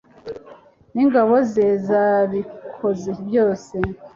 n'ingabo ze zabikoze byose